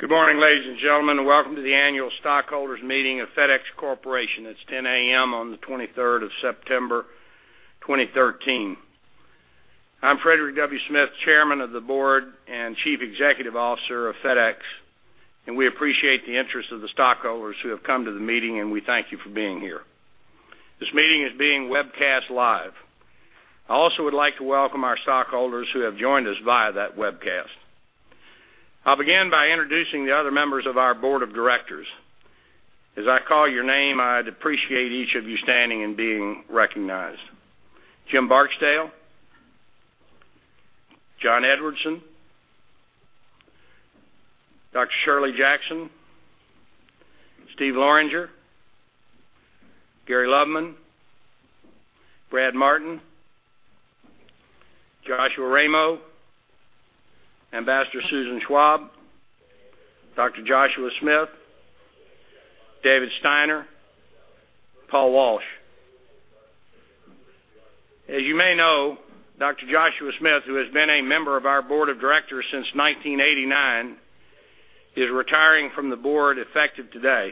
Good morning, ladies and gentlemen. Welcome to the annual stockholders' meeting of FedEx Corporation. It's 10:00 A.M. on the 23rd of September, 2013. I'm Frederick W. Smith, Chairman of the Board and Chief Executive Officer of FedEx, and we appreciate the interest of the stockholders who have come to the meeting, and we thank you for being here. This meeting is being webcast live. I also would like to welcome our stockholders who have joined us via that webcast. I'll begin by introducing the other members of our board of directors. As I call your name, I'd appreciate each of you standing and being recognized: Jim Barksdale, John Edwardson, Dr. Shirley Jackson, Steve Loranger, Gary Loveman, Brad Martin, Joshua Ramo, Ambassador Susan Schwab, Dr. Joshua Smith, David Steiner, and Paul Walsh. As you may know, Dr. Joshua I. Smith, who has been a member of our board of directors since 1989, is retiring from the board effective today.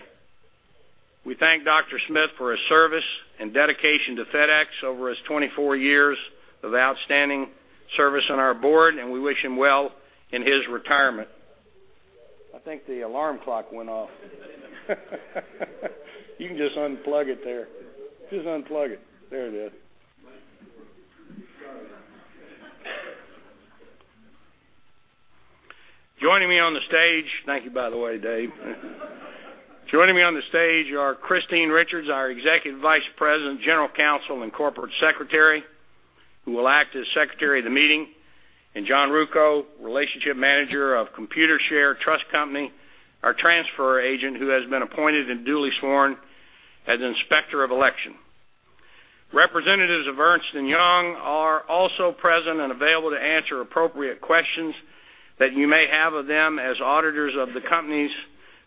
We thank Dr. Smith for his service and dedication to FedEx over his 24 years of outstanding service on our board, and we wish him well in his retirement. I think the alarm clock went off. You can just unplug it there. Just unplug it. There it is. Joining me on the stage, thank you, by the way, Dave, joining me on the stage are Christine P. Richards, our Executive Vice President, General Counsel, and Corporate Secretary, who will act as Secretary of the Meeting, and John Ruocco, Relationship Manager of Computershare Trust Company, our Transfer Agent, who has been appointed and duly sworn as Inspector of Election. Representatives of Ernst & Young are also present and available to answer appropriate questions that you may have of them as auditors of the company's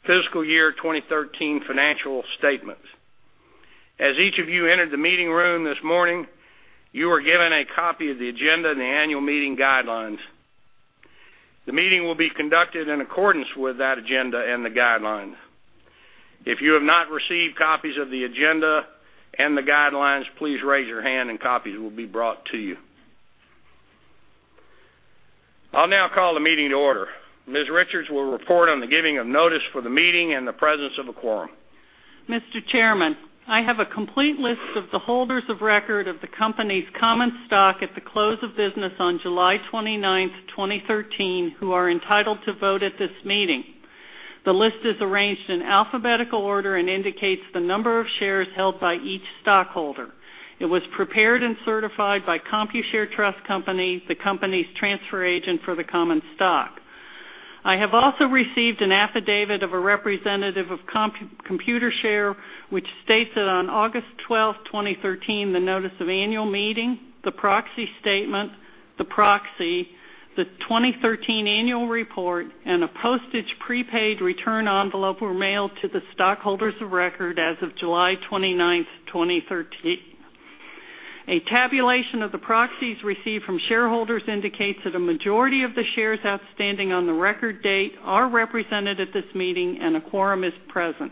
fiscal year 2013 financial statements. As each of you entered the meeting room this morning, you were given a copy of the agenda and the annual meeting guidelines. The meeting will be conducted in accordance with that agenda and the guidelines. If you have not received copies of the agenda and the guidelines, please raise your hand, and copies will be brought to you. I'll now call the meeting to order. Ms. Richards will report on the giving of notice for the meeting and the presence of a quorum. Mr. Chairman, I have a complete list of the holders of record of the company's common stock at the close of business on July 29, 2013, who are entitled to vote at this meeting. The list is arranged in alphabetical order and indicates the number of shares held by each stockholder. It was prepared and certified by Computershare Trust Company, the company's Transfer Agent for the Common Stock. I have also received an affidavit of a representative of Computershare, which states that on August 12, 2013, the notice of annual meeting, the proxy statement, the proxy, the 2013 annual report, and a postage prepaid return envelope were mailed to the stockholders of record as of July 29, 2013. A tabulation of the proxies received from shareholders indicates that a majority of the shares outstanding on the record date are represented at this meeting, and a quorum is present.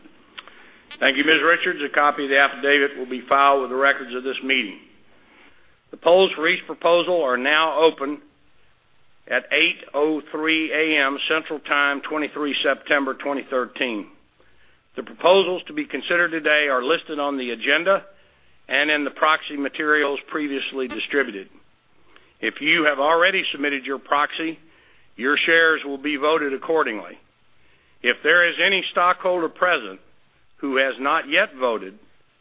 Thank you, Ms. Richards. A copy of the affidavit will be filed with the records of this meeting. The polls for each proposal are now open at 8:03 A.M. Central Time, 23 September, 2013. The proposals to be considered today are listed on the agenda and in the proxy materials previously distributed. If you have already submitted your proxy, your shares will be voted accordingly. If there is any stockholder present who has not yet voted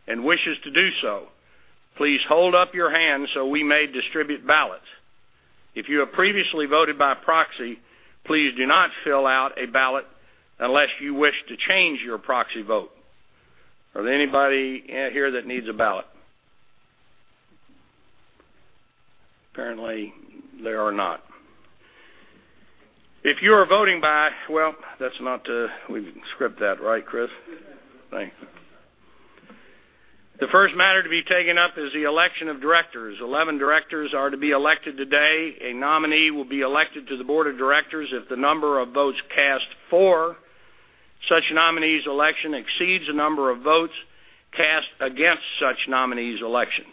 and wishes to do so, please hold up your hand so we may distribute ballots. If you have previously voted by proxy, please do not fill out a ballot unless you wish to change your proxy vote. Are there anybody here that needs a ballot? Apparently, there are not. If you are voting by—well, that's not—we've scripted that, right, Chris? Yes. Thank you. The first matter to be taken up is the election of directors. 11 directors are to be elected today. A nominee will be elected to the board of directors if the number of votes cast for such nominees' election exceeds the number of votes cast against such nominees' election.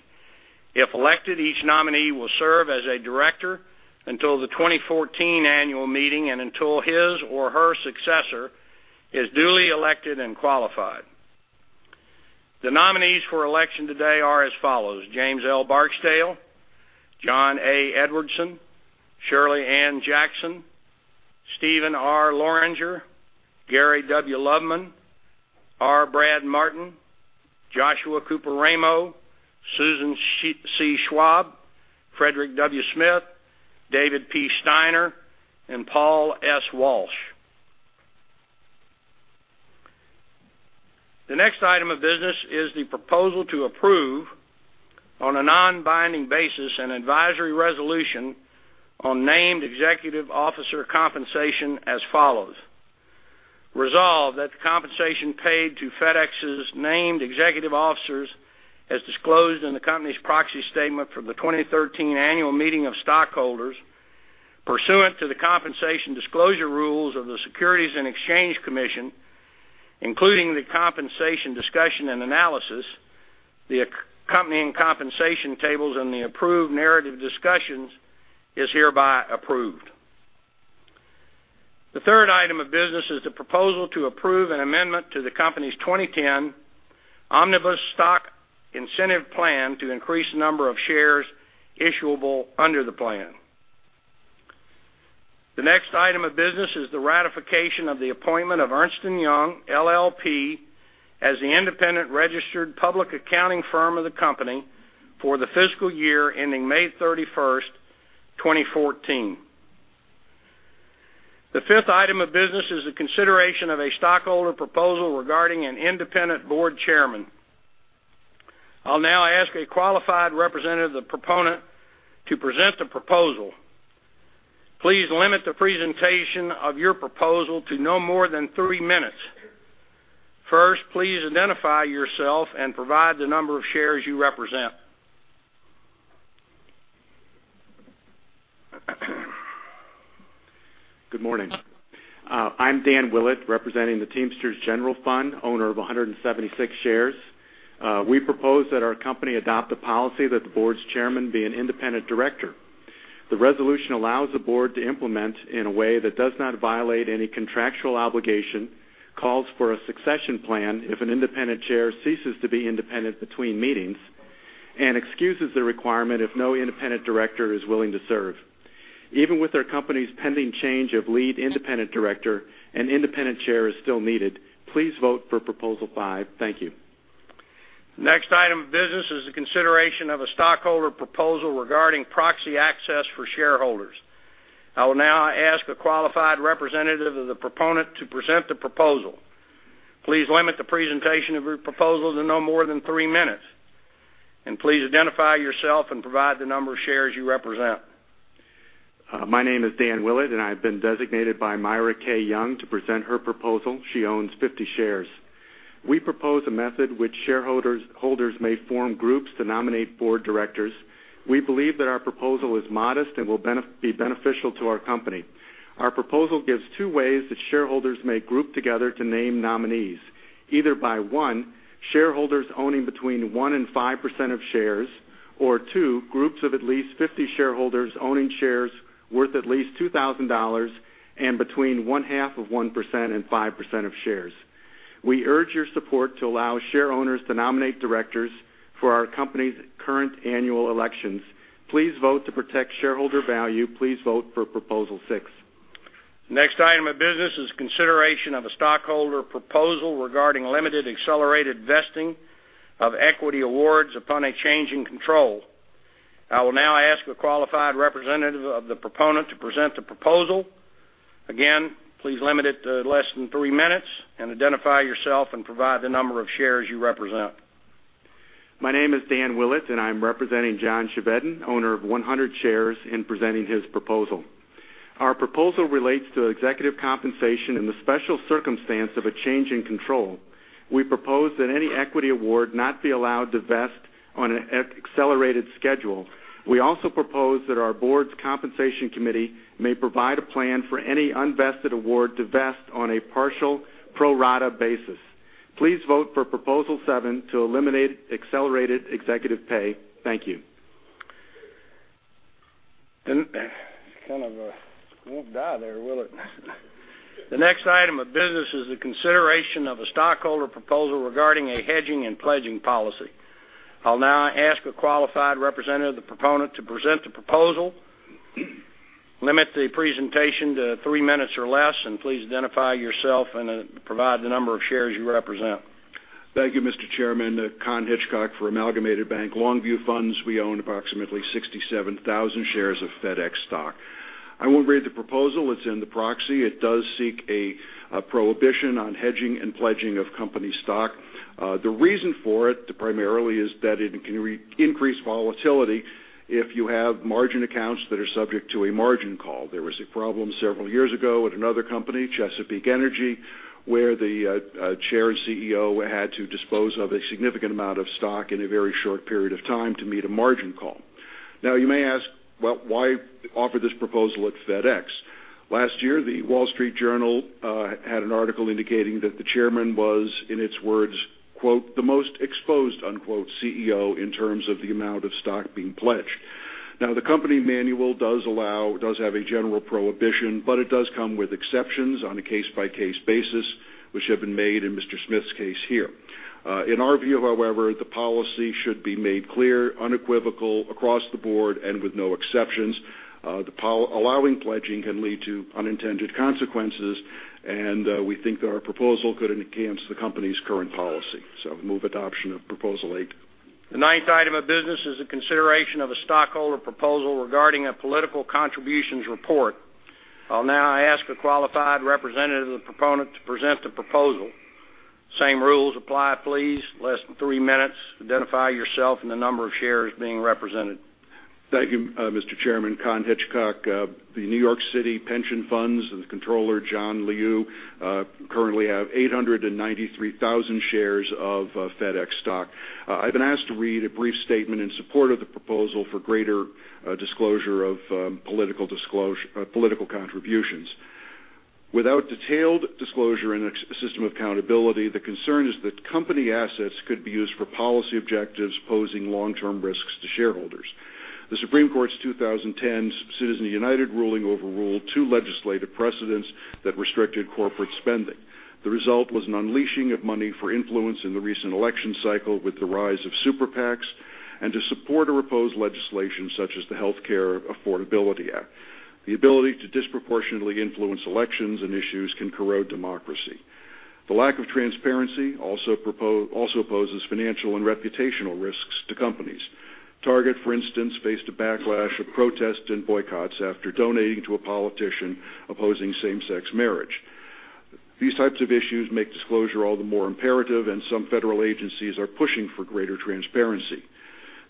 If elected, each nominee will serve as a director until the 2014 annual meeting and until his or her successor is duly elected and qualified. The nominees for election today are as follows: James L. Barksdale, John A. Edwardson, Shirley Ann Jackson, Steven R. Loranger, Gary W. Loveman, R. Brad Martin, Joshua Cooper Ramo, Susan C. Schwab, Frederick W. Smith, David P. Steiner, and Paul S. Walsh. The next item of business is the proposal to approve, on a non-binding basis, an advisory resolution on named executive officer compensation as follows: resolve that the compensation paid to FedEx's named executive officers, as disclosed in the company's proxy statement from the 2013 annual meeting of stockholders, pursuant to the compensation disclosure rules of the Securities and Exchange Commission, including the compensation discussion and analysis, the accompanying compensation tables, and the approved narrative discussions, is hereby approved. The third item of business is the proposal to approve an amendment to the company's 2010 Omnibus Stock Incentive Plan to increase the number of shares issuable under the plan. The next item of business is the ratification of the appointment of Ernst & Young, LLP, as the independent registered public accounting firm of the company for the fiscal year ending May 31, 2014. The fifth item of business is the consideration of a stockholder proposal regarding an independent board chairman. I'll now ask a qualified representative of the proponent to present the proposal. Please limit the presentation of your proposal to no more than three minutes. First, please identify yourself and provide the number of shares you represent. Good morning. I'm Dan Willett, representing the Teamsters General Fund, owner of 176 shares. We propose that our company adopt a policy that the board's chairman be an independent director. The resolution allows the board to implement in a way that does not violate any contractual obligation, calls for a succession plan if an independent chair ceases to be independent between meetings, and excuses the requirement if no independent director is willing to serve. Even with our company's pending change of lead independent director, an independent chair is still needed. Please vote for proposal five. Thank you. The next item of business is the consideration of a stockholder proposal regarding proxy access for shareholders. I will now ask a qualified representative of the proponent to present the proposal. Please limit the presentation of your proposal to no more than three minutes. Please identify yourself and provide the number of shares you represent. My name is Dan Willett, and I've been designated by Myra K. Young to present her proposal. She owns 50 shares. We propose a method which shareholders may form groups to nominate board directors. We believe that our proposal is modest and will be beneficial to our company. Our proposal gives two ways that shareholders may group together to name nominees: either by one, shareholders owning between 1% and 5% of shares, or two, groups of at least 50 shareholders owning shares worth at least $2,000 and between 0.5% and 5% of shares. We urge your support to allow share owners to nominate directors for our company's current annual elections. Please vote to protect shareholder value. Please vote for proposal 6. The next item of business is the consideration of a stockholder proposal regarding limited accelerated vesting of equity awards upon a change in control. I will now ask a qualified representative of the proponent to present the proposal. Again, please limit it to less than three minutes and identify yourself and provide the number of shares you represent. My name is Dan Willett, and I'm representing John Chevedden, owner of 100 shares, in presenting his proposal. Our proposal relates to executive compensation in the special circumstance of a change in control. We propose that any equity award not be allowed to vest on an accelerated schedule. We also propose that our board's compensation committee may provide a plan for any unvested award to vest on a partial pro-rata basis. Please vote for proposal seven to eliminate accelerated executive pay. Thank you. Kinda swooped out there, Willett. The next item of business is the consideration of a stockholder proposal regarding a hedging and pledging policy. I'll now ask a qualified representative of the proponent to present the proposal. Limit the presentation to three minutes or less, and please identify yourself and provide the number of shares you represent. Thank you, Mr. Chairman. Cornish F. Hitchcock for Amalgamated Bank, Longview Funds. We own approximately 67,000 shares of FedEx stock. I won't read the proposal. It's in the proxy. It does seek a prohibition on hedging and pledging of company stock. The reason for it, primarily, is that it can increase volatility if you have margin accounts that are subject to a margin call. There was a problem several years ago at another company, Chesapeake Energy, where the chair and CEO had to dispose of a significant amount of stock in a very short period of time to meet a margin call. Now, you may ask, well, why offer this proposal at FedEx? Last year, The Wall Street Journal had an article indicating that the chairman was, in its words, "the most exposed CEO in terms of the amount of stock being pledged." Now, the company manual does have a general prohibition, but it does come with exceptions on a case-by-case basis, which have been made in Mr. Smith's case here. In our view, however, the policy should be made clear, unequivocal, across the board, and with no exceptions. Allowing pledging can lead to unintended consequences, and we think that our proposal could enhance the company's current policy. We move adoption of proposal eight. The ninth item of business is the consideration of a stockholder proposal regarding a political contributions report. I'll now ask a qualified representative of the proponent to present the proposal. Same rules apply, please. Less than three minutes. Identify yourself and the number of shares being represented. Thank you, Mr. Chairman. Cornish F. Hitchcock, the New York City Pension Funds, the controller, John Liu, currently have 893,000 shares of FedEx stock. I've been asked to read a brief statement in support of the proposal for greater disclosure of political contributions. Without detailed disclosure and a system of accountability, the concern is that company assets could be used for policy objectives posing long-term risks to shareholders. The Supreme Court's 2010 Citizens United ruling overruled two legislative precedents that restricted corporate spending. The result was an unleashing of money for influence in the recent election cycle with the rise of Super PACs and to support or oppose legislation such as the Healthcare Affordability Act. The ability to disproportionately influence elections and issues can corrode democracy. The lack of transparency also poses financial and reputational risks to companies. Target, for instance, faced a backlash of protests and boycotts after donating to a politician opposing same-sex marriage. These types of issues make disclosure all the more imperative, and some federal agencies are pushing for greater transparency.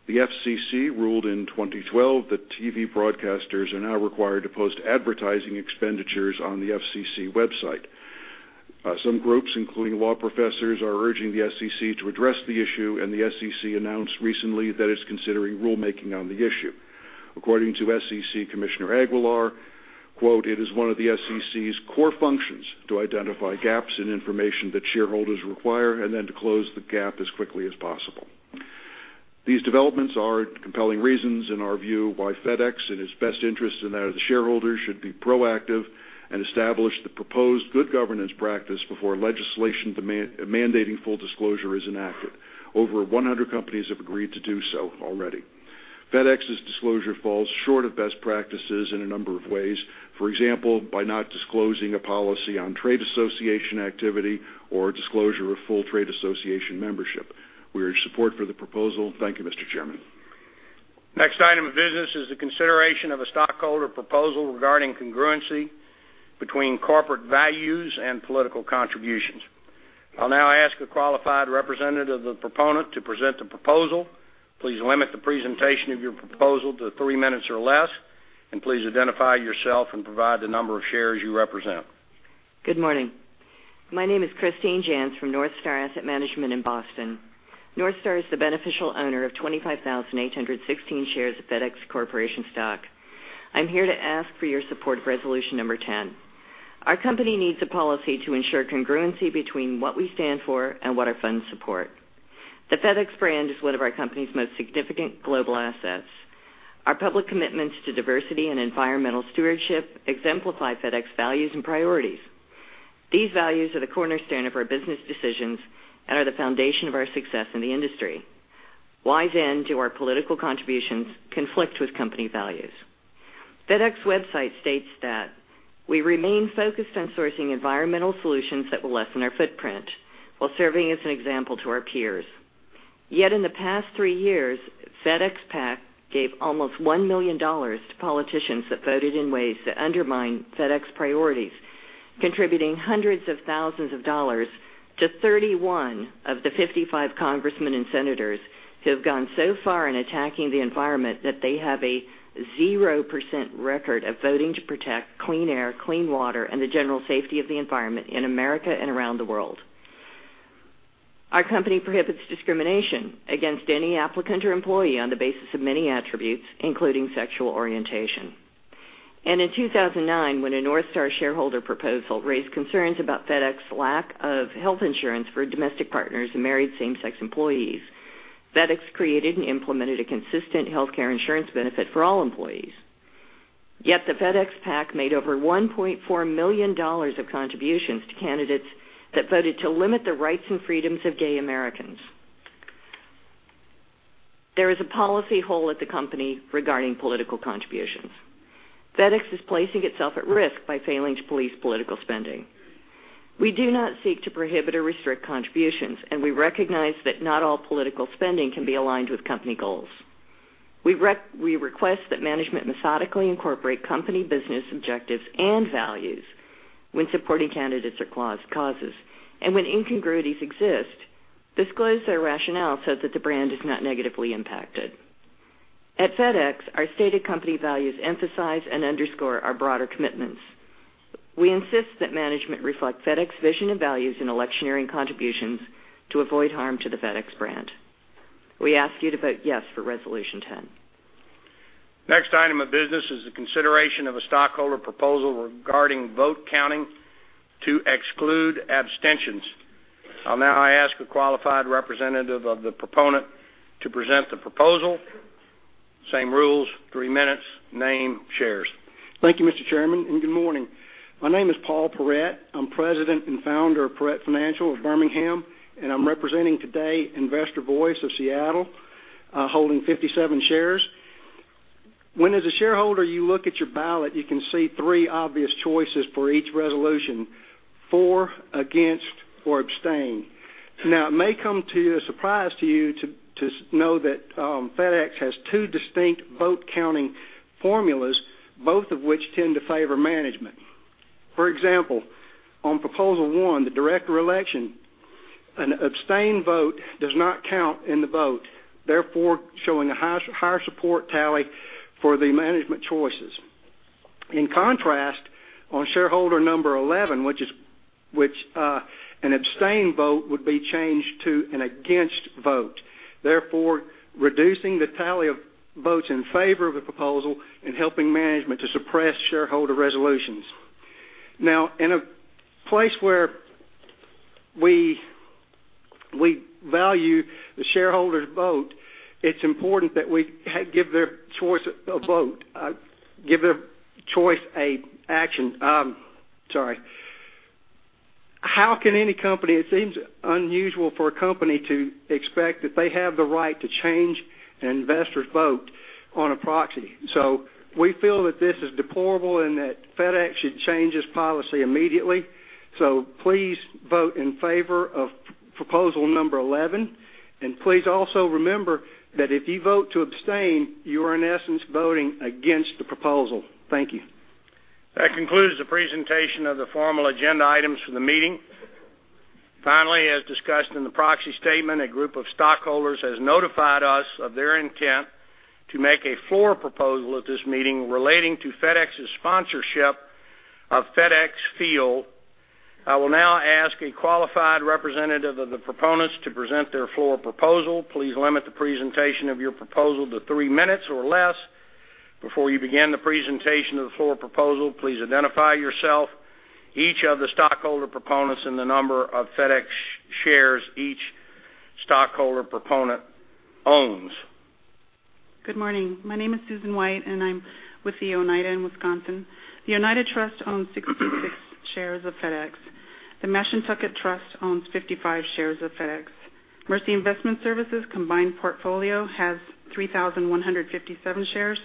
The FCC ruled in 2012 that TV broadcasters are now required to post advertising expenditures on the FCC website. Some groups, including law professors, are urging the FCC to address the issue, and the FCC announced recently that it's considering rulemaking on the issue. According to FCC Commissioner Aguilar, "It is one of the FCC's core functions to identify gaps in information that shareholders require and then to close the gap as quickly as possible." These developments are compelling reasons, in our view, why FedEx, in its best interests and that of the shareholders, should be proactive and establish the proposed good governance practice before legislation mandating full disclosure is enacted. Over 100 companies have agreed to do so already. FedEx's disclosure falls short of best practices in a number of ways. For example, by not disclosing a policy on trade association activity or disclosure of full trade association membership. We are in support for the proposal. Thank you, Mr. Chairman. The next item of business is the consideration of a stockholder proposal regarding congruency between corporate values and political contributions. I'll now ask a qualified representative of the proponent to present the proposal. Please limit the presentation of your proposal to three minutes or less, and please identify yourself and provide the number of shares you represent. Good morning. My name is Christine Jantz from NorthStar Asset Management in Boston. NorthStar is the beneficial owner of 25,816 shares of FedEx Corporation stock. I'm here to ask for your support of resolution number 10. Our company needs a policy to ensure congruency between what we stand for and what our funds support. The FedEx brand is one of our company's most significant global assets. Our public commitments to diversity and environmental stewardship exemplify FedEx values and priorities. These values are the cornerstone of our business decisions and are the foundation of our success in the industry. Why, then, do our political contributions conflict with company values? FedEx's website states that we remain focused on sourcing environmental solutions that will lessen our footprint while serving as an example to our peers. Yet, in the past three years, FedEx PAC gave almost $1 million to politicians that voted in ways that undermined FedEx priorities, contributing hundreds of thousands of dollars to 31 of the 55 congressmen and senators who have gone so far in attacking the environment that they have a 0% record of voting to protect clean air, clean water, and the general safety of the environment in America and around the world. Our company prohibits discrimination against any applicant or employee on the basis of many attributes, including sexual orientation. In 2009, when a NorthStar shareholder proposal raised concerns about FedEx's lack of health insurance for domestic partners and married same-sex employees, FedEx created and implemented a consistent healthcare insurance benefit for all employees. Yet, the FedEx PAC made over $1.4 million of contributions to candidates that voted to limit the rights and freedoms of gay Americans. There is a policy hole at the company regarding political contributions. FedEx is placing itself at risk by failing to police political spending. We do not seek to prohibit or restrict contributions, and we recognize that not all political spending can be aligned with company goals. We request that management methodically incorporate company business objectives and values when supporting candidates or causes, and when incongruities exist, disclose their rationale so that the brand is not negatively impacted. At FedEx, our stated company values emphasize and underscore our broader commitments. We insist that management reflect FedEx's vision and values in electioneering contributions to avoid harm to the FedEx brand. We ask you to vote yes for resolution 10. The next item of business is the consideration of a stockholder proposal regarding vote counting to exclude abstentions. I'll now ask a qualified representative of the proponent to present the proposal. Same rules, three minutes. Name shares. Thank you, Mr. Chairman, and good morning. My name is Paul Perrett. I'm president and founder of Perrett Financial of Birmingham, and I'm representing today Investor Voice of Seattle, holding 57 shares. When as a shareholder, you look at your ballot, you can see three obvious choices for each resolution: for, against, or abstain. Now, it may come to you as a surprise to you to know that FedEx has two distinct vote-counting formulas, both of which tend to favor management. For example, on proposal one, the director election, an abstain vote does not count in the vote, therefore showing a higher support tally for the management choices. In contrast, on shareholder number 11, which an abstain vote would be changed to an against vote, therefore reducing the tally of votes in favor of the proposal and helping management to suppress shareholder resolutions. Now, in a place where we value the shareholder's vote, it's important that we give their choice a vote, give their choice an action. Sorry. How can any company, it seems unusual for a company to expect that they have the right to change an investor's vote on a proxy? So we feel that this is deplorable and that FedEx should change its policy immediately. So please vote in favor of proposal number 11, and please also remember that if you vote to abstain, you are, in essence, voting against the proposal. Thank you. That concludes the presentation of the formal agenda items for the meeting. Finally, as discussed in the Proxy Statement, a group of stockholders has notified us of their intent to make a floor proposal at this meeting relating to FedEx's sponsorship of FedExField. I will now ask a qualified representative of the proponents to present their floor proposal. Please limit the presentation of your proposal to three minutes or less. Before you begin the presentation of the floor proposal, please identify yourself, each of the stockholder proponents, and the number of FedEx shares each stockholder proponent owns. Good morning. My name is Susan White, and I'm with the Oneida Nation of Wisconsin. The Oneida Trust owns 66 shares of FedEx. The Mashantucket Trust owns 55 shares of FedEx. Mercy Investment Services' combined portfolio has 3,157 shares,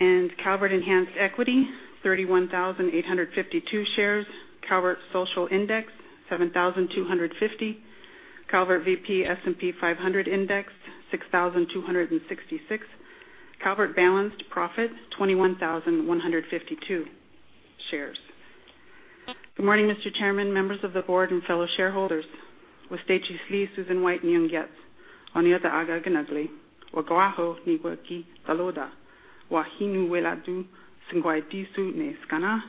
and Calvert Enhanced Equity, 31,852 shares. Calvert Social Index, 7,250. Calvert VP S&P 500 Index, 6,266. Calvert Balanced Portfolio, 21,152 shares. Good morning, Mr. Chairman, members of the board, and fellow shareholders. Wastechi Slee, Susan White, and Young Gets. Oniota Aga Gnugli, Okawaho, Niigaki, Saluda. Wahi Nweladu, Tsingwahiti Su, Neiskana,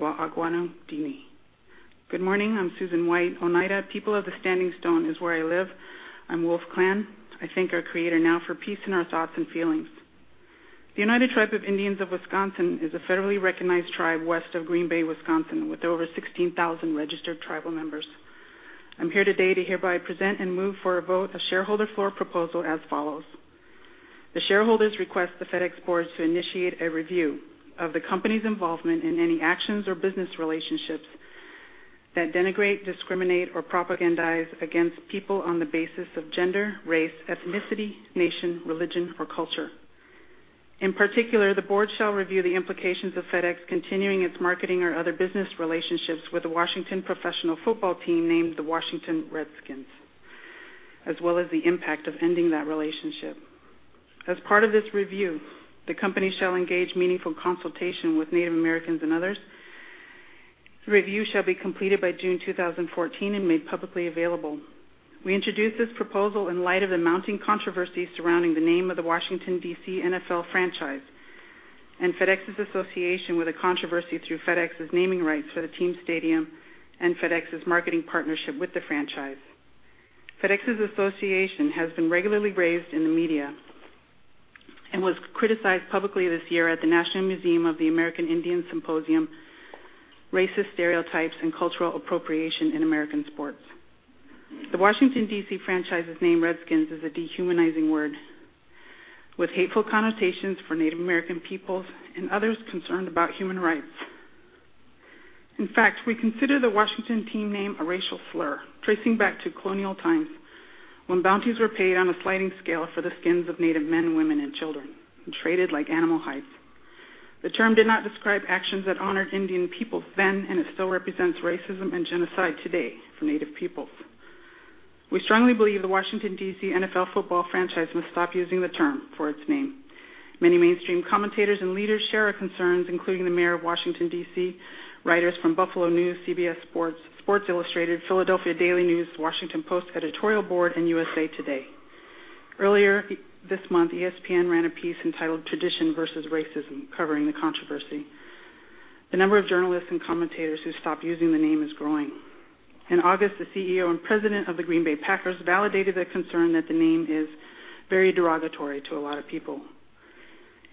Wa'awhanaudini. Good morning. I'm Susan White, Oneida. People of the Standing Stone is where I live. I'm Wolf Clan. I thank our creator now for peace in our thoughts and feelings. The Oneida Tribe of Indians of Wisconsin is a federally recognized tribe west of Green Bay, Wisconsin, with over 16,000 registered tribal members. I'm here today to hereby present and move for a vote of shareholder floor proposal as follows. The shareholders request the FedEx board to initiate a review of the company's involvement in any actions or business relationships that denigrate, discriminate, or propagandize against people on the basis of gender, race, ethnicity, nation, religion, or culture. In particular, the board shall review the implications of FedEx continuing its marketing or other business relationships with the Washington professional football team named the Washington Redskins, as well as the impact of ending that relationship. As part of this review, the company shall engage meaningful consultation with Native Americans and others. The review shall be completed by June 2014 and made publicly available. We introduced this proposal in light of the mounting controversy surrounding the name of the Washington, D.C. NFL franchise and FedEx's association with a controversy through FedEx's naming rights for the team stadium and FedEx's marketing partnership with the franchise. FedEx's association has been regularly raised in the media and was criticized publicly this year at the National Museum of the American Indian Symposium, Racist Stereotypes and Cultural Appropriation in American Sports. The Washington, D.C. franchise's name, Redskins, is a dehumanizing word with hateful connotations for Native American peoples and others concerned about human rights. In fact, we consider the Washington team name a racial slur tracing back to colonial times when bounties were paid on a sliding scale for the skins of Native men, women, and children and traded like animal hides. The term did not describe actions that honored Indian peoples then and it still represents racism and genocide today for Native peoples. We strongly believe the Washington, D.C. NFL football franchise must stop using the term for its name. Many mainstream commentators and leaders share our concerns, including the mayor of Washington, D.C., writers from Buffalo News, CBS Sports, Sports Illustrated, Philadelphia Daily News, Washington Post Editorial Board, and USA Today. Earlier this month, ESPN ran a piece entitled "Tradition Versus Racism," covering the controversy. The number of journalists and commentators who stop using the name is growing. In August, the CEO and president of the Green Bay Packers validated the concern that the name is very derogatory to a lot of people.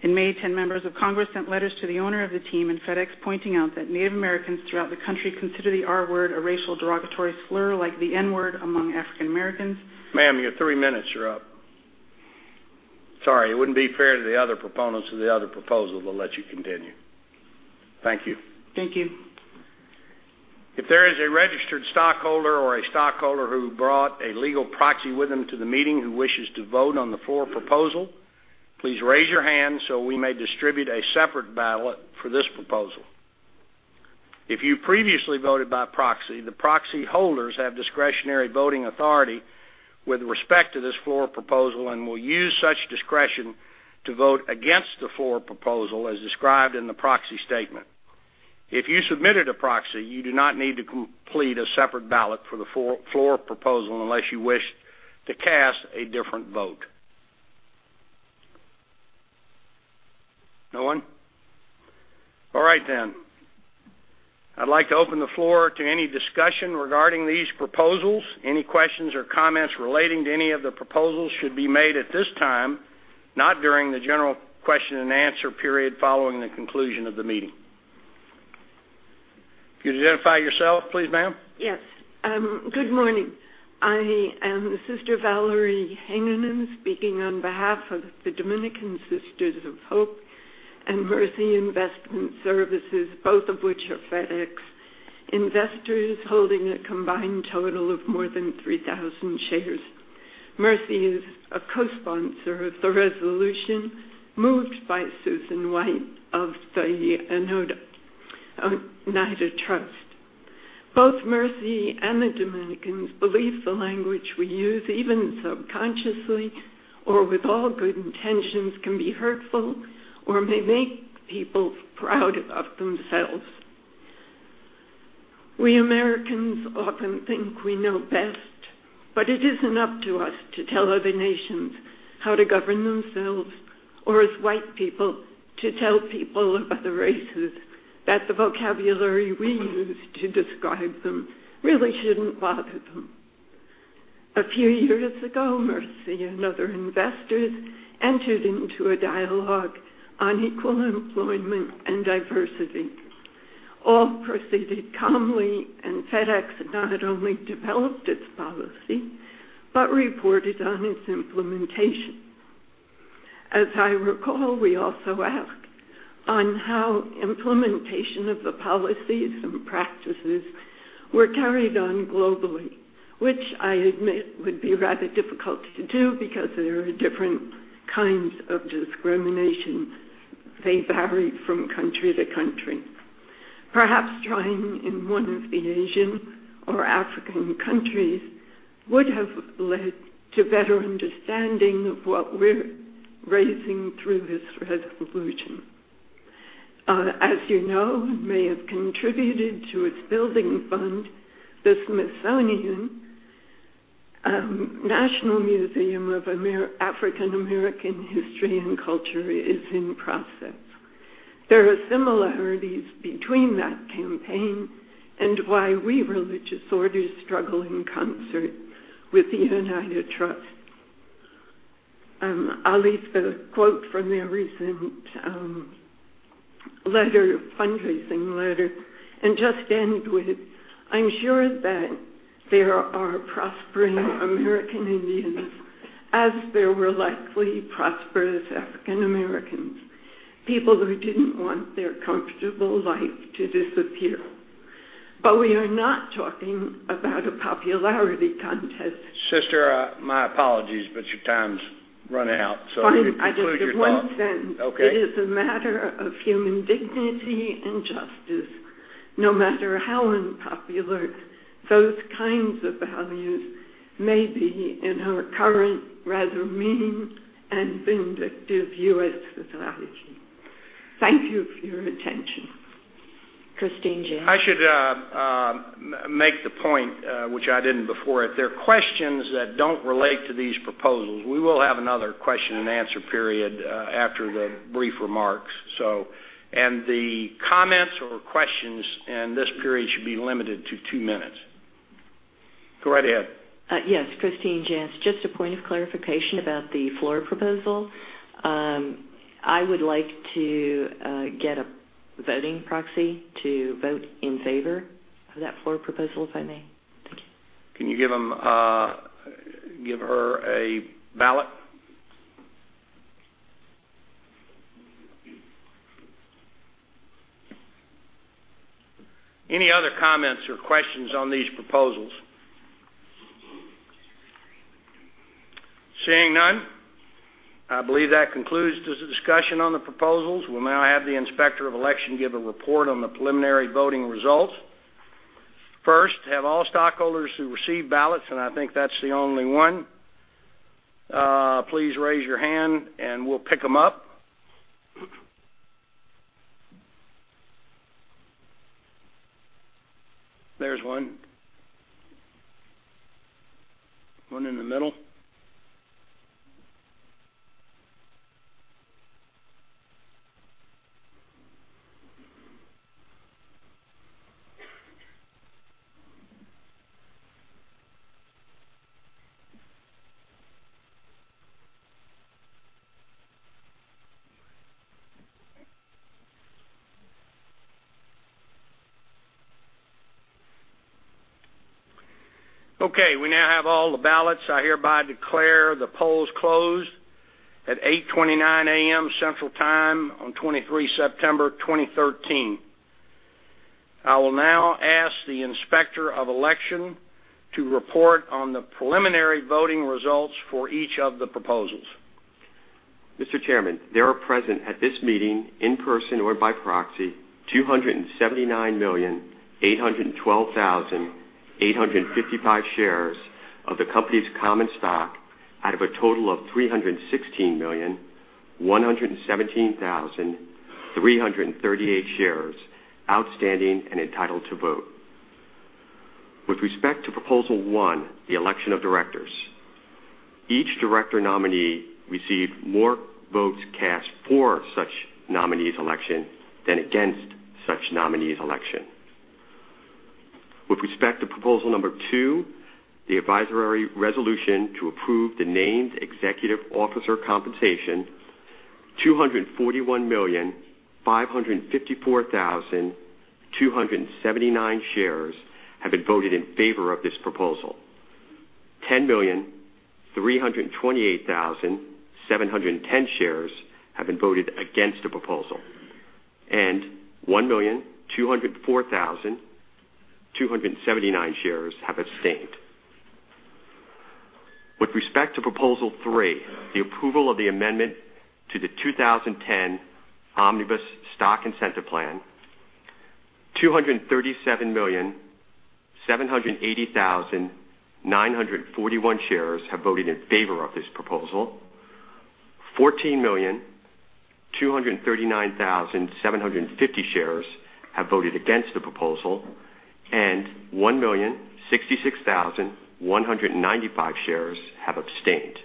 In May, 10 members of Congress sent letters to the owner of the team and FedEx pointing out that Native Americans throughout the country consider the R word a racial derogatory slur like the N word among African Americans. Ma'am, you're 3 minutes. You're up. Sorry. It wouldn't be fair to the other proponents of the other proposal to let you continue. Thank you. Thank you. If there is a registered stockholder or a stockholder who brought a legal proxy with them to the meeting who wishes to vote on the floor proposal, please raise your hand so we may distribute a separate ballot for this proposal. If you previously voted by proxy, the proxy holders have discretionary voting authority with respect to this floor proposal and will use such discretion to vote against the floor proposal as described in the proxy statement. If you submitted a proxy, you do not need to complete a separate ballot for the floor proposal unless you wish to cast a different vote. No one? All right, then. I'd like to open the floor to any discussion regarding these proposals. Any questions or comments relating to any of the proposals should be made at this time, not during the general question and answer period following the conclusion of the meeting. Could you identify yourself, please, ma'am? Yes. Good morning. I am Sister Valerie Heinonen speaking on behalf of the Dominican Sisters of Hope and Mercy Investment Services, both of which are FedEx investors holding a combined total of more than 3,000 shares. Mercy is a co-sponsor of the resolution moved by Susan White of the Oneida Trust. Both Mercy and the Dominicans believe the language we use, even subconsciously or with all good intentions, can be hurtful or may make people proud of themselves. We Americans often think we know best, but it isn't up to us to tell other nations how to govern themselves or as white people to tell people about the races that the vocabulary we use to describe them really shouldn't bother them. A few years ago, Mercy and other investors entered into a dialogue on equal employment and diversity. All proceeded calmly, and FedEx not only developed its policy but reported on its implementation. As I recall, we also asked on how implementation of the policies and practices were carried on globally, which I admit would be rather difficult to do because there are different kinds of discrimination. They vary from country to country. Perhaps trying in one of the Asian or African countries would have led to better understanding of what we're raising through this resolution. As you know, it may have contributed to its building fund. The Smithsonian National Museum of African American History and Culture is in process. There are similarities between that campaign and why we religious orders struggle in concert with the Oneida Trust. I'll leave the quote from the recent fundraising letter and just end with, "I'm sure that there are prospering American Indians as there were likely prosperous African Americans, people who didn't want their comfortable life to disappear." But we are not talking about a popularity contest. Sister, my apologies, but your time's running out, so I conclude your quote. Fine. Just one sentence. Okay. It is a matter of human dignity and justice, no matter how unpopular those kinds of values may be in our current, rather mean, and vindictive U.S. society. Thank you for your attention. Christine Jantz. I should make the point, which I didn't before, if there are questions that don't relate to these proposals, we will have another question and answer period after the brief remarks. The comments or questions in this period should be limited to two minutes. Go right ahead. Yes. Christine Jantz, just a point of clarification about the floor proposal. I would like to get a voting proxy to vote in favor of that floor proposal, if I may. Thank you. Can you give her a ballot? Any other comments or questions on these proposals? Seeing none, I believe that concludes the discussion on the proposals. We'll now have the inspector of election give a report on the preliminary voting results. First, have all stockholders who received ballots, and I think that's the only one, please raise your hand and we'll pick them up. There's one. One in the middle. Okay. We now have all the ballots. I hereby declare the polls closed at 8:29 A.M. Central Time on 23 September 2013. I will now ask the inspector of election to report on the preliminary voting results for each of the proposals. Mr. Chairman, there are present at this meeting in person or by proxy 279,812,855 shares of the company's common stock out of a total of 316,117,338 shares outstanding and entitled to vote. With respect to proposal one, the election of directors, each director nominee received more votes cast for such nominee's election than against such nominee's election. With respect to proposal number two, the advisory resolution to approve the named executive officer compensation, 241,554,279 shares have been voted in favor of this proposal. 10,328,710 shares have been voted against the proposal, and 1,204,279 shares have abstained. With respect to proposal three, the approval of the amendment to the 2010 Omnibus Stock Incentive Plan, 237,780,941 shares have voted in favor of this proposal. 14,239,750 shares have voted against the proposal, and 1,066,195 shares have abstained.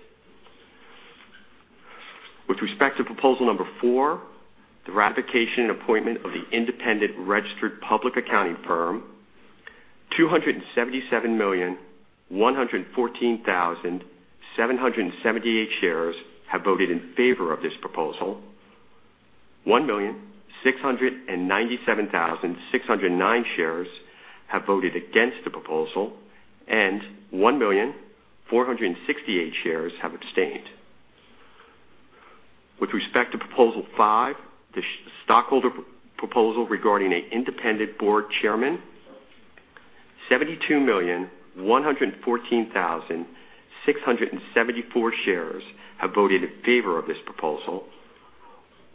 With respect to proposal number four, the ratification and appointment of the independent registered public accounting firm, 277,114,778 shares have voted in favor of this proposal. 1,697,609 shares have voted against the proposal, and 1,468 shares have abstained. With respect to proposal five, the stockholder proposal regarding an independent board chairman, 72,114,674 shares have voted in favor of this proposal.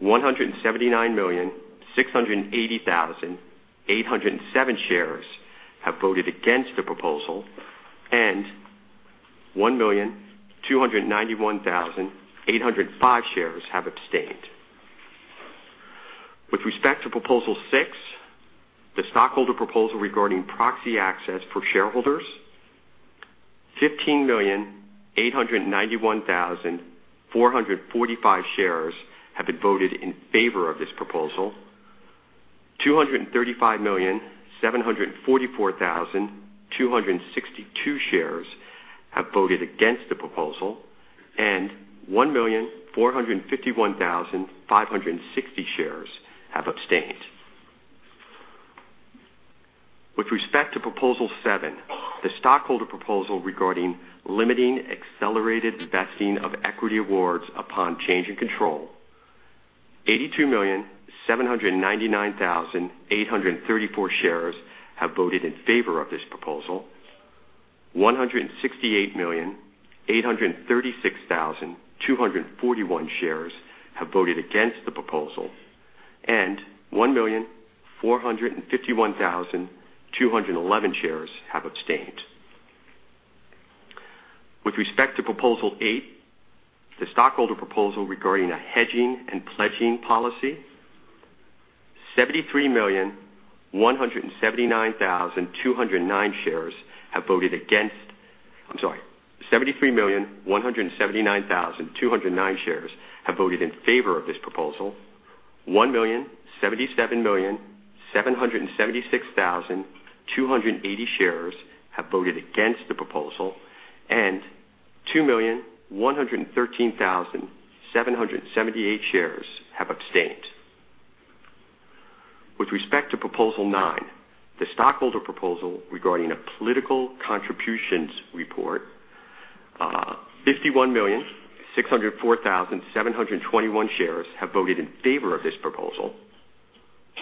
179,680,807 shares have voted against the proposal, and 1,291,805 shares have abstained. With respect to proposal six, the stockholder proposal regarding proxy access for shareholders, 15,891,445 shares have been voted in favor of this proposal. 235,744,262 shares have voted against the proposal, and 1,451,560 shares have abstained. With respect to proposal seven, the stockholder proposal regarding limiting accelerated vesting of equity awards upon change in control, 82,799,834 shares have voted in favor of this proposal. 168,836,241 shares have voted against the proposal, and 1,451,211 shares have abstained. With respect to proposal eight, the stockholder proposal regarding a hedging and pledging policy, 73,179,209 shares have voted against. I'm sorry. 73,179,209 shares have voted in favor of this proposal. 1,077,776,280 shares have voted against the proposal, and 2,113,778 shares have abstained. With respect to proposal nine, the stockholder proposal regarding a political contributions report, 51,604,721 shares have voted in favor of this proposal.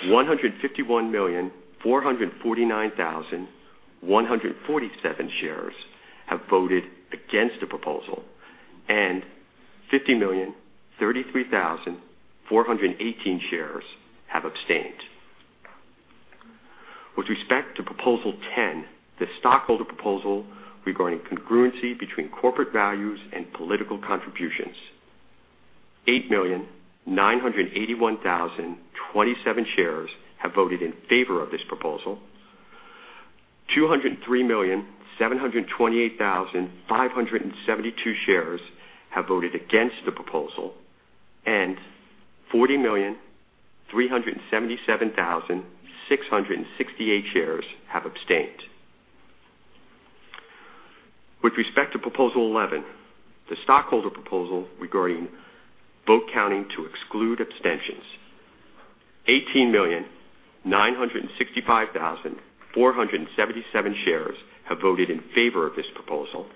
151,449,147 shares have voted against the proposal, and 50,033,418 shares have abstained. With respect to proposal ten, the stockholder proposal regarding congruency between corporate values and political contributions, 8,981,027 shares have voted in favor of this proposal. 203,728,572 shares have voted against the proposal, and 40,377,668 shares have abstained. With respect to proposal eleven, the stockholder proposal regarding vote counting to exclude abstentions, 18,965,477 shares have voted in favor of this proposal.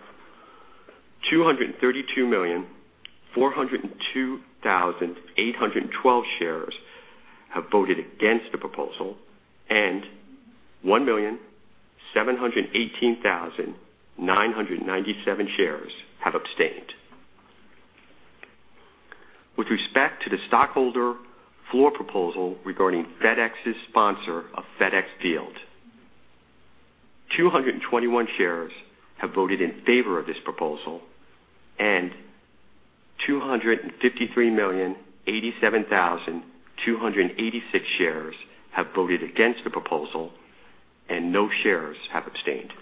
232,402,812 shares have voted against the proposal, and 1,718,997 shares have abstained. With respect to the stockholder floor proposal regarding FedEx's sponsor, a FedExField, 221 shares have voted in favor of this proposal, and 253,087,286 shares have voted against the proposal, and no shares have abstained.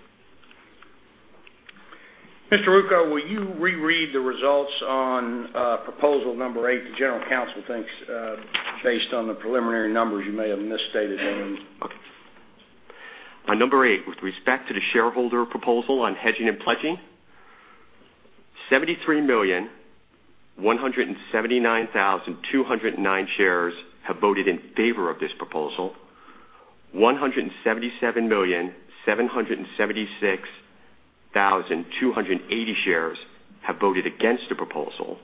Mr. Ruocco, will you reread the results on proposal number eight to General Counsel? Thanks. Based on the preliminary numbers, you may have misstated them. Okay. On number eight, with respect to the shareholder proposal on hedging and pledging, 73,179,209 shares have voted in favor of this proposal. 177,776,280 shares have voted against the proposal,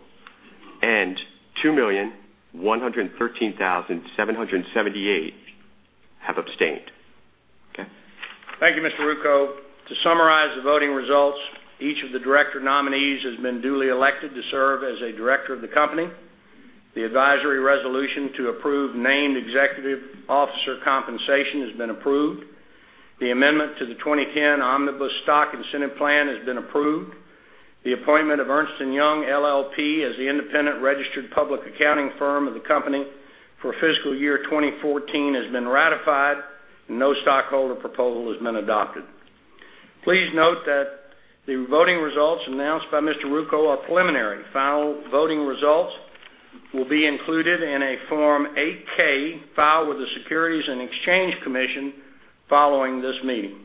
and 2,113,778 have abstained. Okay. Thank you, Mr. Ruocco. To summarize the voting results, each of the director nominees has been duly elected to serve as a director of the company. The advisory resolution to approve named executive officer compensation has been approved. The amendment to the 2010 Omnibus Stock Incentive Plan has been approved. The appointment of Ernst & Young LLP as the independent registered public accounting firm of the company for fiscal year 2014 has been ratified, and no stockholder proposal has been adopted. Please note that the voting results announced by Mr. Ruocco are preliminary. Final voting results will be included in a Form 8-K filed with the Securities and Exchange Commission following this meeting.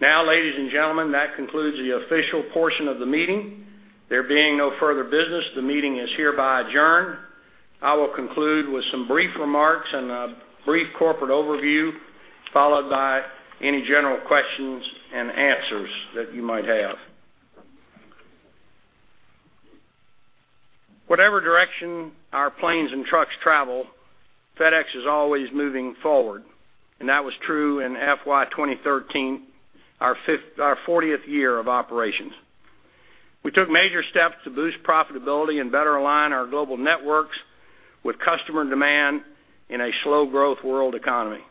Now, ladies and gentlemen, that concludes the official portion of the meeting. There being no further business, the meeting is hereby adjourned. I will conclude with some brief remarks and a brief corporate overview, followed by any general questions and answers that you might have. Whatever direction our planes and trucks travel, FedEx is always moving forward, and that was true in FY 2013, our 40th year of operations. We took major steps to boost profitability and better align our global networks with customer demand in a slow-growth world economy.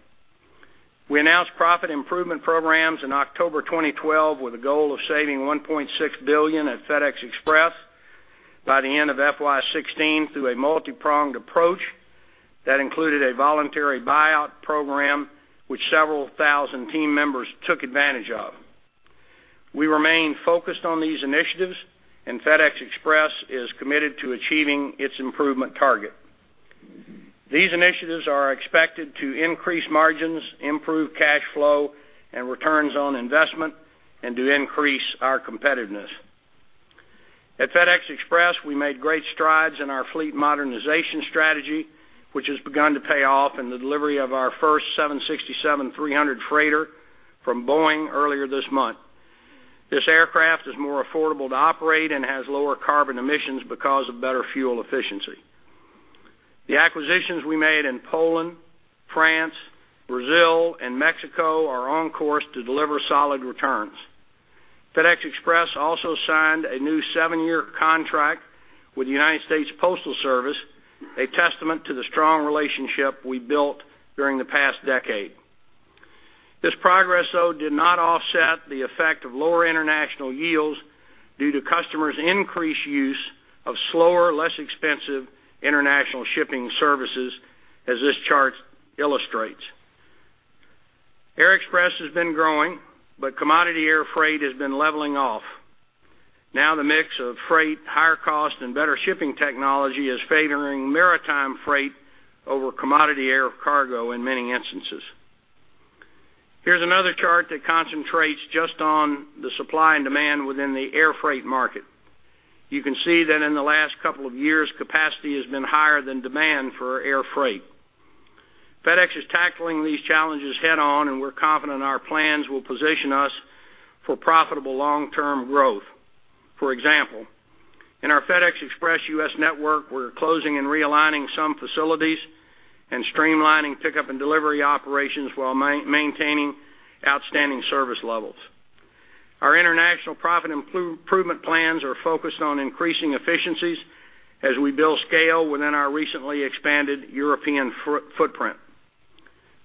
We announced profit improvement programs in October 2012 with a goal of saving $1.6 billion at FedEx Express by the end of FY 2016 through a multi-pronged approach that included a voluntary buyout program, which several thousand team members took advantage of. We remain focused on these initiatives, and FedEx Express is committed to achieving its improvement target. These initiatives are expected to increase margins, improve cash flow, and returns on investment, and to increase our competitiveness. At FedEx Express, we made great strides in our fleet modernization strategy, which has begun to pay off in the delivery of our first 767-300 freighter from Boeing earlier this month. This aircraft is more affordable to operate and has lower carbon emissions because of better fuel efficiency. The acquisitions we made in Poland, France, Brazil, and Mexico are on course to deliver solid returns. FedEx Express also signed a new seven year contract with the United States Postal Service, a testament to the strong relationship we built during the past decade. This progress, though, did not offset the effect of lower international yields due to customers' increased use of slower, less expensive international shipping services, as this chart illustrates. Air Express has been growing, but commodity air freight has been leveling off. Now, the mix of freight, higher cost, and better shipping technology is favoring maritime freight over commodity air cargo in many instances. Here's another chart that concentrates just on the supply and demand within the air freight market. You can see that in the last couple of years, capacity has been higher than demand for air freight. FedEx is tackling these challenges head-on, and we're confident our plans will position us for profitable long-term growth. For example, in our FedEx Express U.S. network, we're closing and realigning some facilities and streamlining pickup and delivery operations while maintaining outstanding service levels. Our international profit improvement plans are focused on increasing efficiencies as we build scale within our recently expanded European footprint.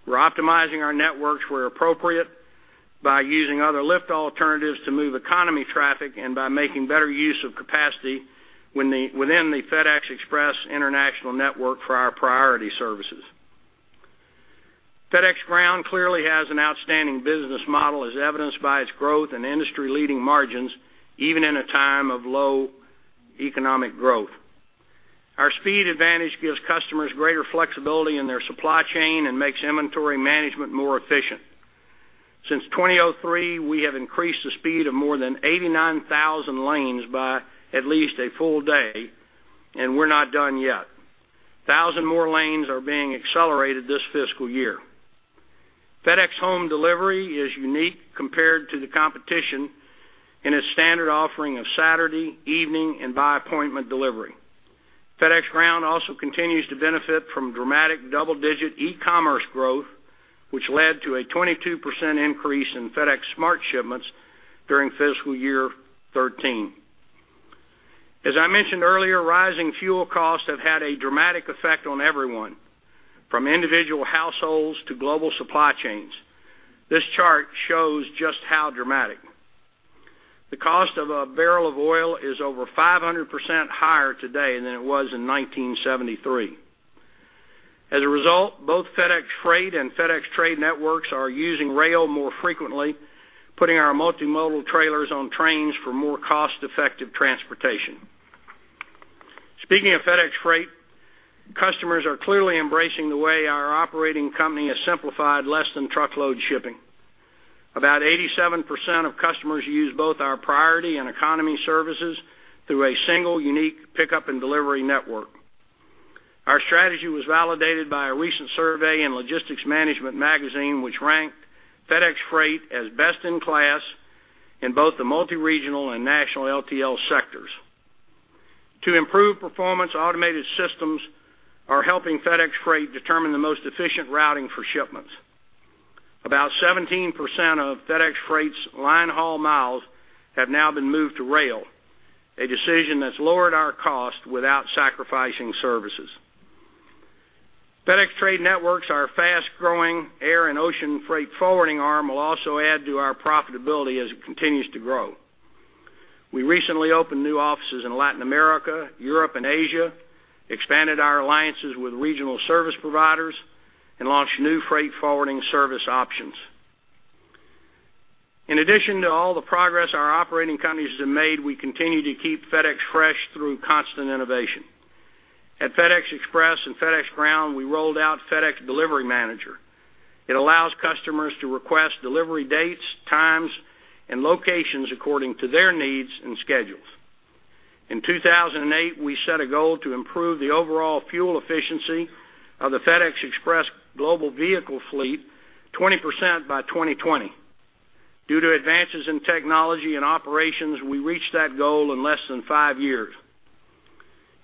We're optimizing our networks where appropriate by using other lift alternatives to move economy traffic and by making better use of capacity within the FedEx Express international network for our priority services. FedEx Ground clearly has an outstanding business model, as evidenced by its growth and industry-leading margins, even in a time of low economic growth. Our speed advantage gives customers greater flexibility in their supply chain and makes inventory management more efficient. Since 2003, we have increased the speed of more than 89,000 lanes by at least a full day, and we're not done yet. 1,000 more lanes are being accelerated this fiscal year. FedEx Home Delivery is unique compared to the competition in its standard offering of Saturday evening and by appointment delivery. FedEx Ground also continues to benefit from dramatic double-digit e-commerce growth, which led to a 22% increase in FedEx SmartPost during fiscal year 13. As I mentioned earlier, rising fuel costs have had a dramatic effect on everyone, from individual households to global supply chains. This chart shows just how dramatic. The cost of a barrel of oil is over 500% higher today than it was in 1973. As a result, both FedEx Freight and FedEx Trade Networks are using rail more frequently, putting our multimodal trailers on trains for more cost-effective transportation. Speaking of FedEx Freight, customers are clearly embracing the way our operating company has simplified less than truckload shipping. About 87% of customers use both our priority and economy services through a single, unique pickup and delivery network. Our strategy was validated by a recent survey in Logistics Management Magazine, which ranked FedEx Freight as best in class in both the multi-regional and national LTL sectors. To improve performance, automated systems are helping FedEx Freight determine the most efficient routing for shipments. About 17% of FedEx Freight's linehaul miles have now been moved to rail, a decision that's lowered our cost without sacrificing services. FedEx Trade Networks, our fast-growing air and ocean freight forwarding arm, will also add to our profitability as it continues to grow. We recently opened new offices in Latin America, Europe, and Asia, expanded our alliances with regional service providers, and launched new freight forwarding service options. In addition to all the progress our operating companies have made, we continue to keep FedEx fresh through constant innovation. At FedEx Express and FedEx Ground, we rolled out FedEx Delivery Manager. It allows customers to request delivery dates, times, and locations according to their needs and schedules. In 2008, we set a goal to improve the overall fuel efficiency of the FedEx Express global vehicle fleet 20% by 2020. Due to advances in technology and operations, we reached that goal in less than five years.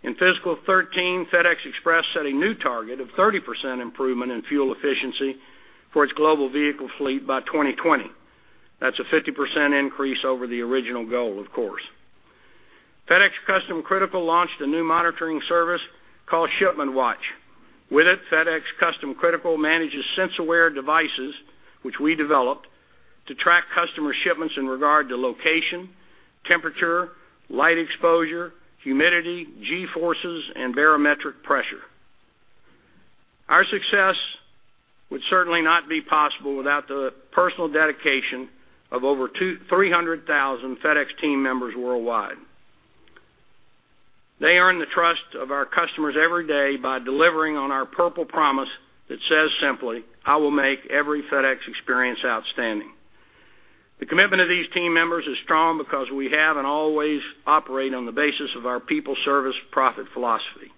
In fiscal 2013, FedEx Express set a new target of 30% improvement in fuel efficiency for its global vehicle fleet by 2020. That's a 50% increase over the original goal, of course. FedEx Custom Critical launched a new monitoring service called ShipmentWatch. With it, FedEx Custom Critical manages SenseAware devices, which we developed, to track customer shipments in regard to location, temperature, light exposure, humidity, G-forces, and barometric pressure. Our success would certainly not be possible without the personal dedication of over 300,000 FedEx team members worldwide. They earn the trust of our customers every day by delivering on our purple promise that says simply, "I will make every FedEx experience outstanding." The commitment of these team members is strong because we have and always operate on the basis of our people-service profit philosophy.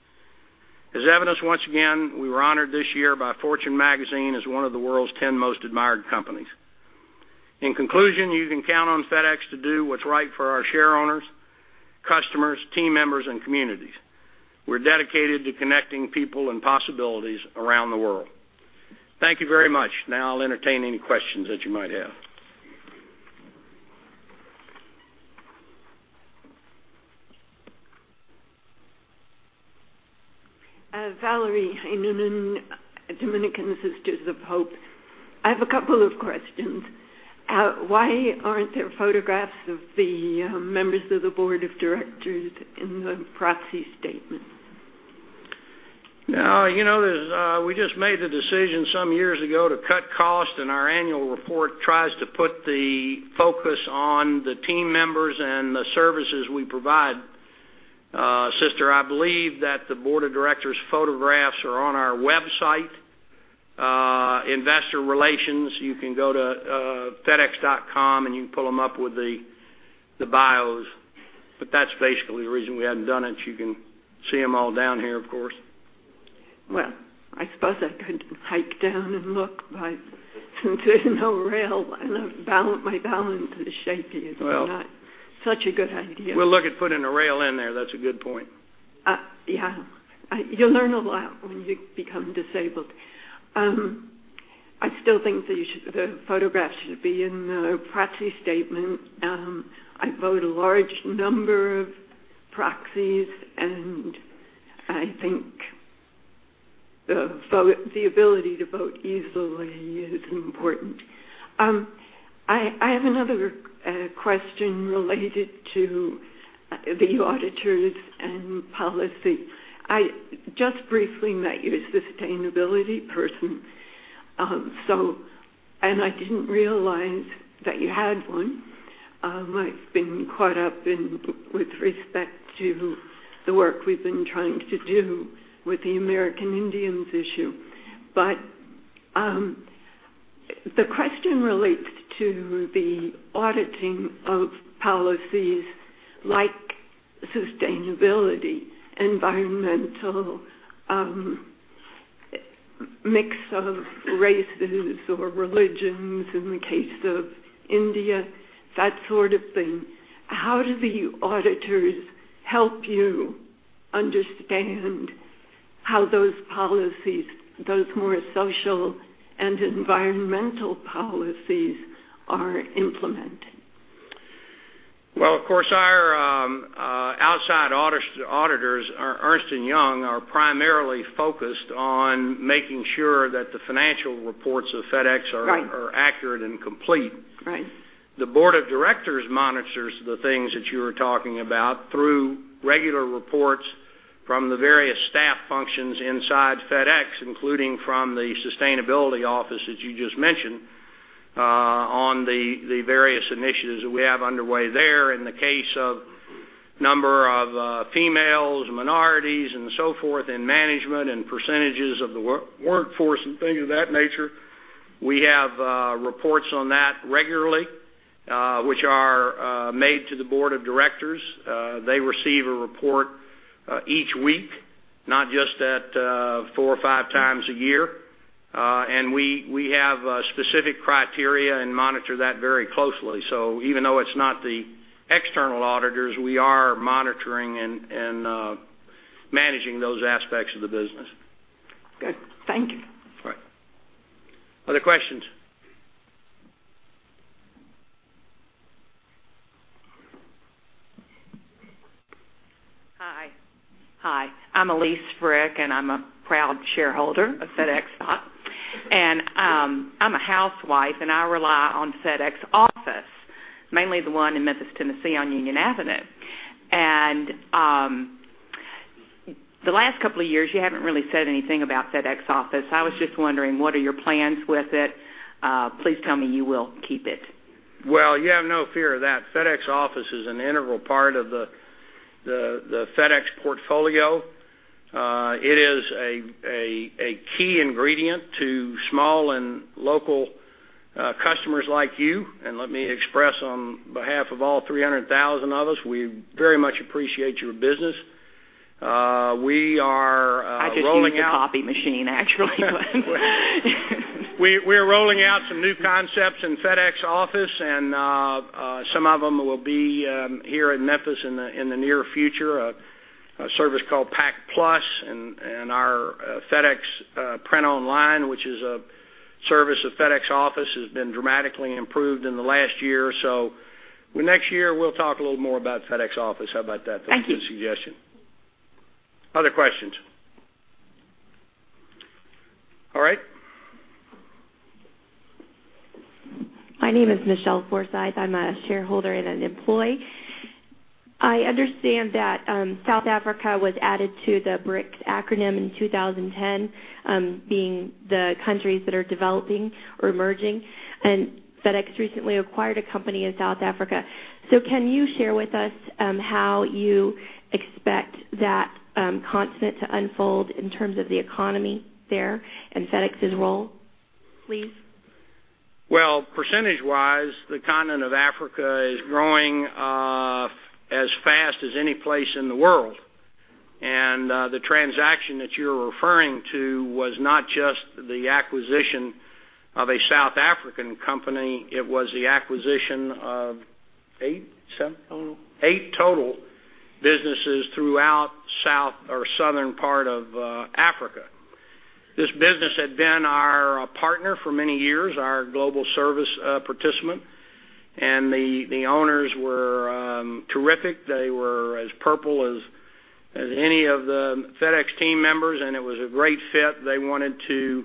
As evidence, once again, we were honored this year by Fortune Magazine as one of the world's 10 most admired companies. In conclusion, you can count on FedEx to do what's right for our shareholders, customers, team members, and communities. We're dedicated to connecting people and possibilities around the world. Thank you very much. Now, I'll entertain any questions that you might have. Valerie, in Dominican Sisters of Hope, I have a couple of questions. Why aren't there photographs of the members of the Board of Directors in the Proxy Statement? Now, we just made the decision some years ago to cut costs, and our annual report tries to put the focus on the team members and the services we provide. Sister, I believe that the board of directors' photographs are on our website, investor relations. You can go to fedex.com, and you can pull them up with the bios. But that's basically the reason we haven't done it. You can see them all down here, of course. Well, I suppose I could hike down and look since there's no rail, and my balance is shaky. It's not such a good idea. Well, look at putting a rail in there. That's a good point. Yeah. You learn a lot when you become disabled. I still think the photographs should be in the proxy statement. I vote a large number of proxies, and I think the ability to vote easily is important. I have another question related to the auditors and policy. I just briefly met your sustainability person, and I didn't realize that you had one. I've been caught up with respect to the work we've been trying to do with the American Indians issue. But the question relates to the auditing of policies like sustainability, environmental, mix of races or religions in the case of India, that sort of thing. How do the auditors help you understand how those policies, those more social and environmental policies, are implemented? Well, of course, our outside auditors, Ernst & Young, are primarily focused on making sure that the financial reports of FedEx are accurate and complete. The board of directors monitors the things that you were talking about through regular reports from the various staff functions inside FedEx, including from the sustainability office that you just mentioned, on the various initiatives that we have underway there. In the case of a number of females, minorities, and so forth, and management, and percentages of the workforce, and things of that nature, we have reports on that regularly, which are made to the board of directors. They receive a report each week, not just four or five times a year. And we have specific criteria and monitor that very closely. So even though it's not the external auditors, we are monitoring and managing those aspects of the business. Good. Thank you. All right. Other questions? Hi. Hi. I'm Elise Frick, and I'm a proud shareholder of FedEx stock. And I'm a housewife, and I rely on FedEx Office, mainly the one in Memphis, Tennessee, on Union Avenue. And the last couple of years, you haven't really said anything about FedEx Office. I was just wondering, what are your plans with it? Please tell me you will keep it. Well, you have no fear of that. FedEx Office is an integral part of the FedEx portfolio. It is a key ingredient to small and local customers like you. And let me express on behalf of all 300,000 of us, we very much appreciate your business. We are rolling out. I just need a coffee machine, actually. We are rolling out some new concepts in FedEx Office, and some of them will be here in Memphis in the near future, a service called Pack Plus. And our FedEx Print Online, which is a service of FedEx Office, has been dramatically improved in the last year. So next year, we'll talk a little more about FedEx Office. How about that? Thank you. That's a good suggestion. Other questions? All right. My name is Michelle Forsythe. I'm a shareholder and an employee. I understand that South Africa was added to the BRICS acronym in 2010, being the countries that are developing or emerging. FedEx recently acquired a company in South Africa. Can you share with us how you expect that continent to unfold in terms of the economy there and FedEx's role, please? Well, percentage-wise, the continent of Africa is growing as fast as any place in the world. And the transaction that you're referring to was not just the acquisition of a South African company. It was the acquisition of eight total businesses throughout the southern part of Africa. This business had been our partner for many years, our Global Service Participant. And the owners were terrific. They were as purple as any of the FedEx team members, and it was a great fit. They wanted to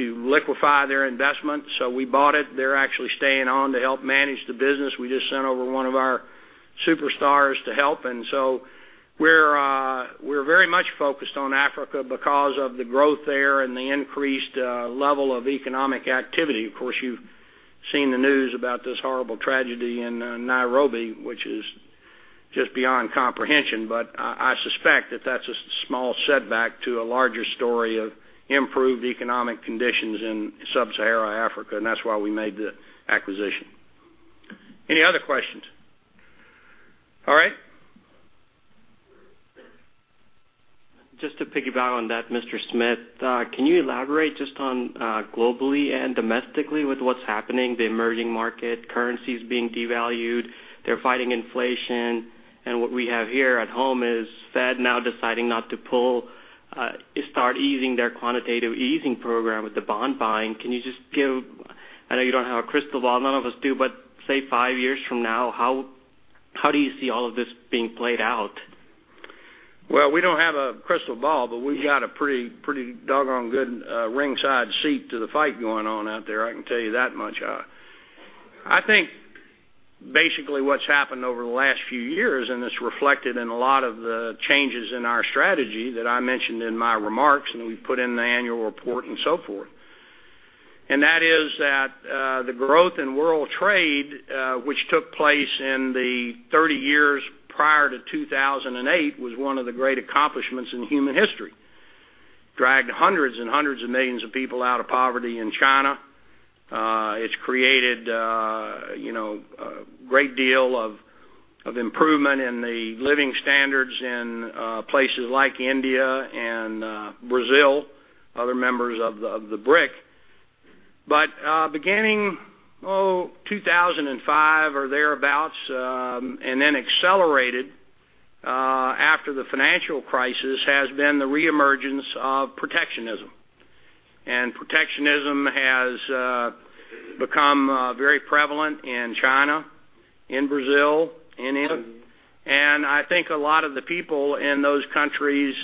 liquefy their investment, so we bought it. They're actually staying on to help manage the business. We just sent over one of our superstars to help. And so we're very much focused on Africa because of the growth there and the increased level of economic activity. Of course, you've seen the news about this horrible tragedy in Nairobi, which is just beyond comprehension. But I suspect that that's a small setback to a larger story of improved economic conditions in sub-Saharan Africa. That's why we made the acquisition. Any other questions? All right. Just to piggyback on that, Mr. Smith, can you elaborate just on globally and domestically with what's happening, the emerging market, currencies being devalued, they're fighting inflation, and what we have here at home is Fed now deciding not to pull, start easing their quantitative easing program with the bond buying. Can you just give—I know you don't have a crystal ball, none of us do—but say five years from now, how do you see all of this being played out? Well, we don't have a crystal ball, but we've got a pretty doggone good ringside seat to the fight going on out there. I can tell you that much. I think basically what's happened over the last few years, and it's reflected in a lot of the changes in our strategy that I mentioned in my remarks, and we put in the annual report and so forth. And that is that the growth in world trade, which took place in the 30 years prior to 2008, was one of the great accomplishments in human history. Dragged hundreds and hundreds of millions of people out of poverty in China. It's created a great deal of improvement in the living standards in places like India and Brazil, other members of the BRICS. But beginning, oh, 2005 or thereabouts, and then accelerated after the financial crisis, has been the reemergence of protectionism. Protectionism has become very prevalent in China, in Brazil, in India. I think a lot of the people in those countries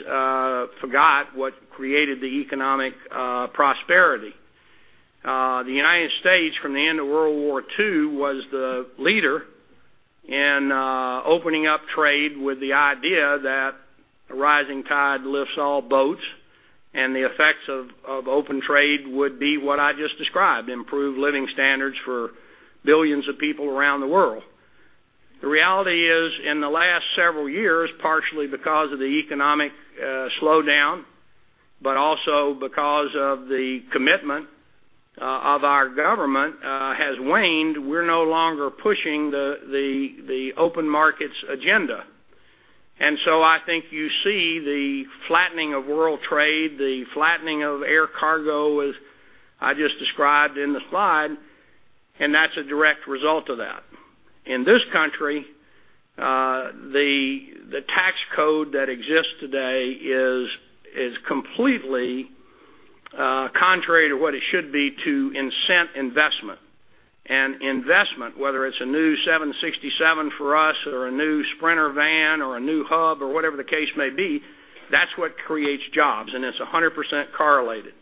forgot what created the economic prosperity. The United States, from the end of World War II, was the leader in opening up trade with the idea that a rising tide lifts all boats, and the effects of open trade would be what I just described: improved living standards for billions of people around the world. The reality is, in the last several years, partially because of the economic slowdown, but also because of the commitment of our government has waned. We're no longer pushing the open markets agenda. So I think you see the flattening of world trade, the flattening of air cargo as I just described in the slide, and that's a direct result of that. In this country, the tax code that exists today is completely contrary to what it should be to incent investment. Investment, whether it's a new 767 for us or a new Sprinter Van or a new hub or whatever the case may be, that's what creates jobs, and it's 100% correlated.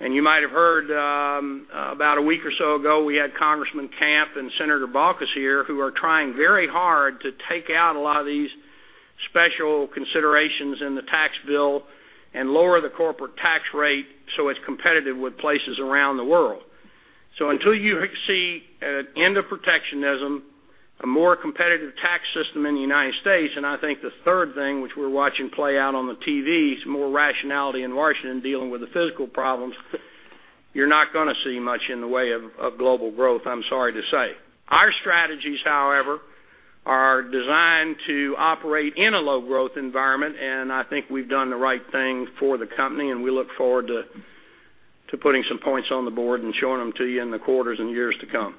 You might have heard about a week or so ago, we had Congressman Camp and Senator Baucus here, who are trying very hard to take out a lot of these special considerations in the tax bill and lower the corporate tax rate so it's competitive with places around the world. So until you see an end of protectionism, a more competitive tax system in the United States, and I think the third thing which we're watching play out on the TV, more rationality in Washington dealing with the fiscal problems, you're not going to see much in the way of global growth, I'm sorry to say. Our strategies, however, are designed to operate in a low-growth environment, and I think we've done the right thing for the company, and we look forward to putting some points on the board and showing them to you in the quarters and years to come.